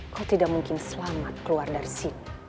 kau tidak mungkin selamat keluar dari sini